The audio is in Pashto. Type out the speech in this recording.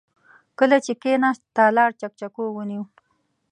کله چې کېناست، تالار چکچکو ونيو.